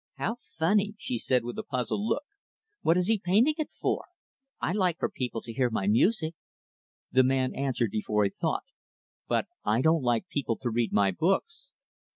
"How funny," she said, with a puzzled look. "What is he painting it for? I like for people to hear my music." The man answered before he thought "But I don't like people to read my books."